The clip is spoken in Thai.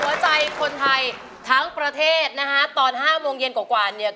หัวใจคนไทยทั้งประเทศนะฮะตอน๕โมงเย็นกว่าเนี่ย